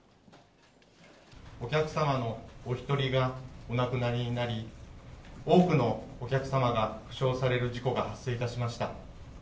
お客様のお１人がお亡くなりになり、多くのお客様が負傷される事故が発生いたしました。